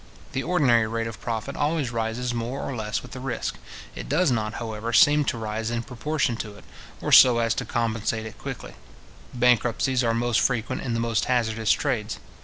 The ordinary rate of profit always rises more or less with the risk. It does not, however, seem to rise in proportion to it, or so as to compensate it completely. Bankruptcies are most frequent in the most hazardous trades.